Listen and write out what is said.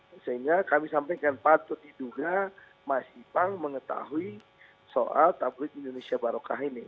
sehingga kami sampaikan patut diduga mas ipang mengetahui soal tabloid indonesia barokah ini